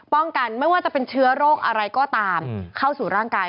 ป้องกันไม่ว่าจะเป็นเชื้อโรคอะไรก็ตามเข้าสู่ร่างกาย